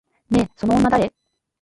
ねえ、その女誰？